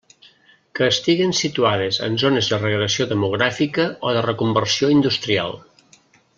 Que estiguen situades en zones de regressió demogràfica o de reconversió industrial.